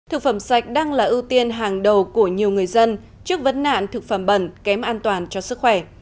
thực phẩm sạch đang là ưu tiên hàng đầu của nhiều người dân trước vấn nạn thực phẩm bẩn kém an toàn cho sức khỏe